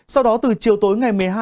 sau đó từ chiều tối ngày một mươi hai